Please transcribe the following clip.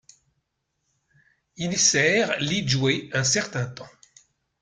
Il sert Li Jue un certain temps.